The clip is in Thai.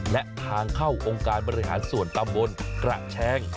และทางเข้าองค์การบริหารส่วนตำบลกระแชง